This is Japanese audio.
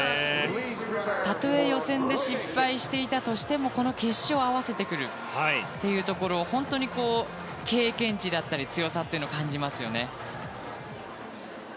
たとえ予選で失敗していたとしてもこの決勝で合わせてくるというところ本当に経験値だったり強さを感じます。